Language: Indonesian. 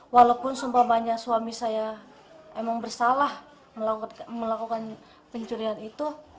walaupun sumpah banyak suami saya emang bersalah melakukan pencurian itu